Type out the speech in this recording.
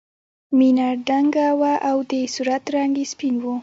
مینه دنګه وه او د صورت رنګ یې سپین و